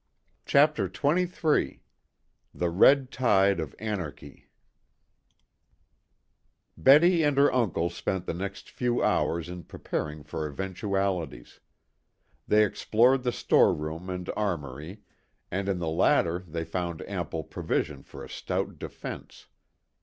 CHAPTER XXIII THE RED TIDE OF ANARCHY Betty and her uncle spent the next few hours in preparing for eventualities. They explored the storeroom and armory, and in the latter they found ample provision for a stout defense.